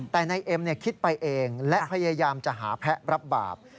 แต่นายเอ็มคิดไปเองและพยายามจะหาแพะรับบาป